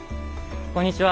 こんにちは